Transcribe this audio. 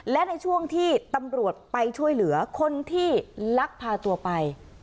และในช่วงที่ตำรวจไปช่วยเหลือคนที่ลักพาตัวไป